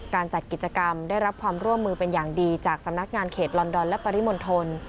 จัดกิจกรรมได้รับความร่วมมือเป็นอย่างดีจากสำนักงานเขตลอนดอนและปริมณฑล